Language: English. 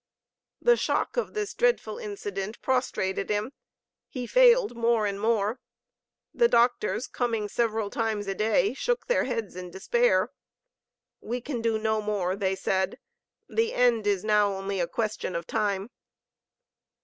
The shock of this dreadful incident prostrated him. He failed more and more. The doctors, coming several times a day, shook their heads in despair. "We can do no more," they said, "the end is now only a question of time."